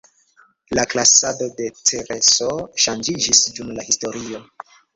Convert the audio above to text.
La klasado de Cereso ŝanĝiĝis dum la historio.